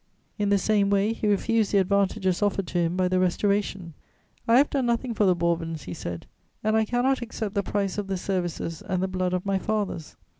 In the same way he refused the advantages offered to him by the Restoration: "I have done nothing for the Bourbons," he said, "and I cannot accept the price of the services and the blood of my fathers.